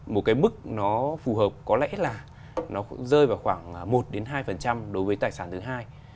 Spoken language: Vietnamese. một cái mức nó phù hợp có lẽ là nó rơi vào khoảng một hai đối với tài sản thứ hai